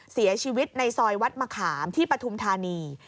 เสียชีวิตในซอยวัดมะขามที่ปฐุมธานี